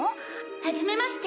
「はじめまして」